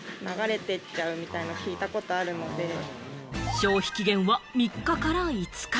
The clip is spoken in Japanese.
消費期限は３日から５日。